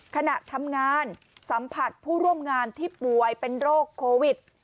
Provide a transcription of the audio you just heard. ขณะทำงานสัมผัสผู้ร่วมงานที่ป่วยเป็นโรคโควิด